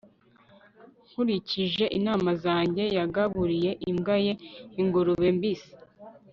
nkurikije inama zanjye, yagaburiye imbwa ye ingurube mbisi